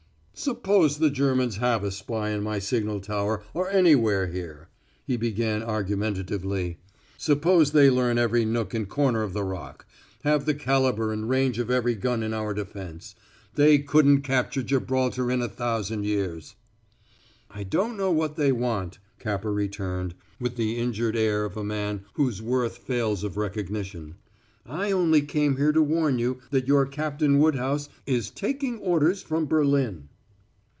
"Suppose the Germans have a spy in my signal tower or anywhere here," he began argumentatively. "Suppose they learn every nook and corner of the Rock have the caliber and range of every gun in our defense; they couldn't capture Gibraltar in a thousand years." "I don't know what they want," Capper returned, with the injured air of a man whose worth fails of recognition. "I only came here to warn you that your Captain Woodhouse is taking orders from Berlin."